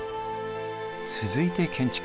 続いて建築。